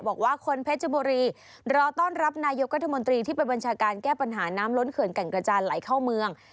บอกว่าคนเพชรบุรีรอต้อนรับนายกรัฐมนตรีที่ไปบัญชาการแก้ปัญหาน้ำล้นเขื่อนแก่งกระจานไหลเข้าเมือง